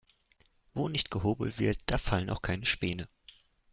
Wo nicht gehobelt wird, da fallen auch keine Späne.